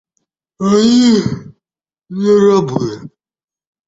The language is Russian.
Они не рабы!